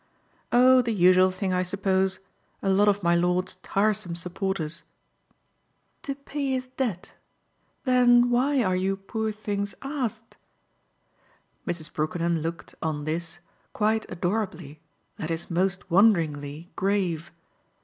"Oh the usual thing, I suppose. A lot of my lord's tiresome supporters." "To pay his debt? Then why are you poor things asked?" Mrs. Brookenham looked, on this, quite adorably that is most wonderingly grave.